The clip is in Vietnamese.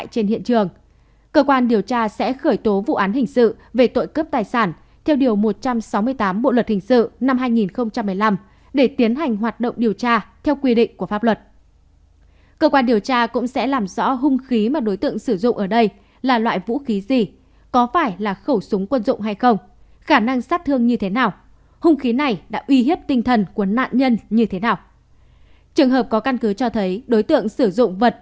cơ quan điều tra sẽ khởi tố vụ án hình sự về tội cướp tài sản theo điều một trăm sáu mươi tám bộ luật hình sự năm hai nghìn một mươi năm để tiến hành hoạt động điều tra theo quy định của pháp luật